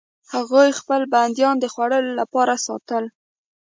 هغوی خپل بندیان د خوړلو لپاره ساتل.